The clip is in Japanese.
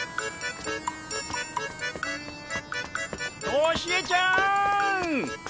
・トシエちゃん！